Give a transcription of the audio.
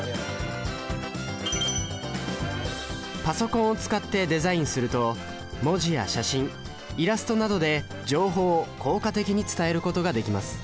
パソコンを使ってデザインすると文字や写真イラストなどで情報を効果的に伝えることができます。